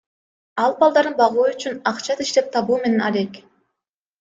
Ал балдарын багуу үчүн акча иштеп табуу менен алек.